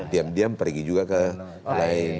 diam diam pergi juga ke lain